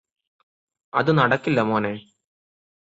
അത് നടക്കില്ല മോനേ